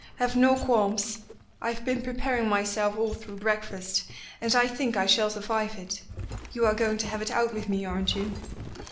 Have no qualms. I've been preparing myself all through breakfast and I think I shall survive it. You are going to have it out with me, aren't you?"